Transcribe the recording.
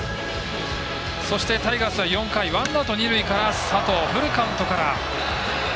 そして、タイガースは４回ワンアウト、二塁から佐藤フルカウントから。